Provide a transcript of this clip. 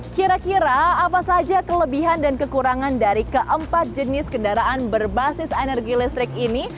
kira kira apa saja kelebihan dan kekurangan dari keempat jenis kendaraan berbasis energi listrik ini